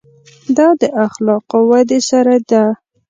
دا د اخلاقو ودې سره ده.